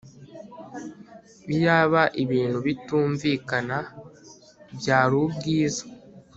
Iyaba ibintu bitumvikana byari ubwiza